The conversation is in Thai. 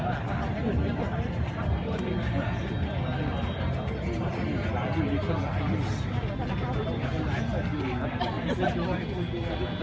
แม่กับผู้วิทยาลัย